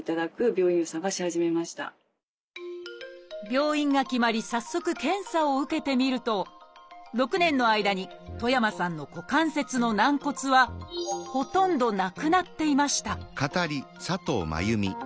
病院が決まり早速検査を受けてみると６年の間に戸山さんの股関節の軟骨はほとんどなくなっていました